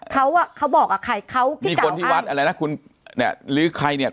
เขาอ่ะเขาบอกกับใครเขามีคนที่วัดอะไรนะคุณเนี่ยหรือใครเนี่ย